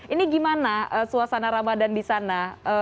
ini gimana suasana ramadan di sana